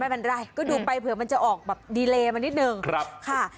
ไม่เป็นไรก็ดูไปเผื่อมันจะออกแบบมานิดหนึ่งครับค่ะ